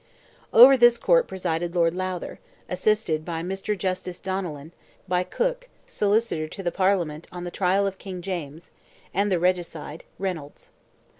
Over this court presided Lord Lowther, assisted by Mr. Justice Donnellan, by Cooke, solicitor to the Parliament on the trial of King Charles, and the regicide, Reynolds.